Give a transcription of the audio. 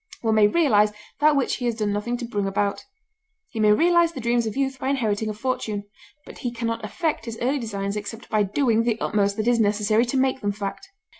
One may realize that which he has done nothing to bring about; he may realize the dreams of youth by inheriting a fortune; but he can not effect his early designs except by doing the utmost that is necessary to make them fact.